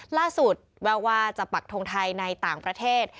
แววว่าจะปักทงไทยในต่างประเทศ